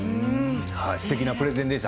すてきなプレゼンでした。